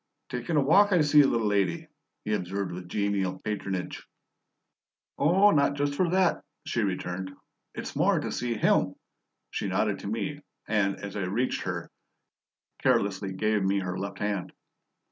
"Takin' a walk, I see, little lady," he observed with genial patronage. "Oh, not just for that," she returned. "It's more to see HIM." She nodded to me, and, as I reached her, carelessly gave me her left hand.